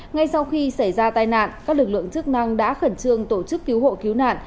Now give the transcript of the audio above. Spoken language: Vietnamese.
ngay sau khi xảy ra tai nạn các lực lượng chức năng đã khẩn trương tổ chức cứu hộ cứu nạn